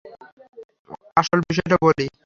আসল বিষয়টা বলি।